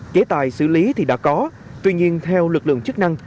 chế tài xử lý thì đã có tuy nhiên theo lực lượng chức năng